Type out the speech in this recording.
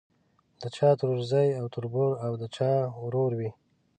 د چا ترورزی او تربور او د چا ورور وي.